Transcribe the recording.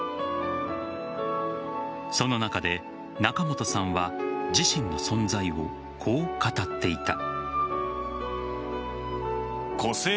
その中で仲本さんは自身の存在をこう語っていた。